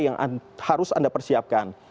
yang harus anda persiapkan